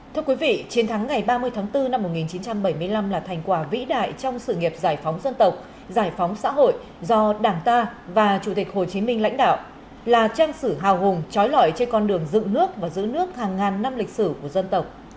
thưa quý vị chiến thắng ngày ba mươi tháng bốn năm một nghìn chín trăm bảy mươi năm là thành quả vĩ đại trong sự nghiệp giải phóng dân tộc giải phóng xã hội do đảng ta và chủ tịch hồ chí minh lãnh đạo là trang sử hào hùng trói lõi trên con đường dựng nước và giữ nước hàng ngàn năm lịch sử của dân tộc